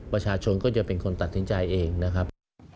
ประชาชนก็จะเป็นคนตัดสินใจเองนะครับ